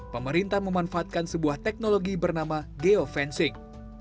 pemerintah memanfaatkan sebuah teknologi bernama geofencing